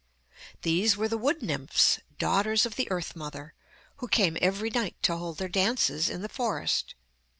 These were the wood nymphs, daughters of the earth mother, who came every night to hold their dances, in the forest.